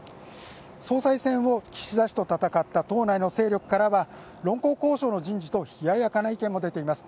総裁選を岸田氏と戦った党内の勢力からは論功行賞の人事と冷ややかな意見も出ています。